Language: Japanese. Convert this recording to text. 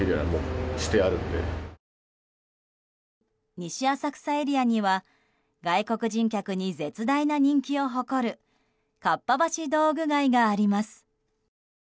西浅草エリアには外国人客に絶大な人気を誇るかっぱ橋道具街があります。